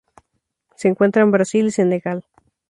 Se encuentra en Brasil y Senegal.